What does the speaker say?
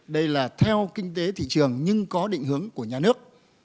đây là theo kinh tế thị trường nhưng có định hướng của nhà nước